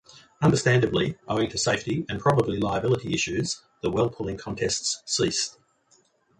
Understandably, owing to safety and probably liability issues, the well-pulling contests ceased.